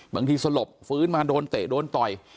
สลบฟื้นมาโดนเตะโดนต่อย